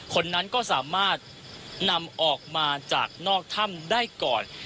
คนนั้นก็สามารถนำออกมาจากนอกถ้ำได้ก่อน